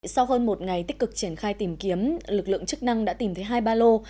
sau hơn một ngày tích cực triển khai tìm kiếm lực lượng chức năng đã tìm thấy hai ba lô